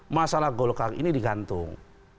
masalah golkar ini digantung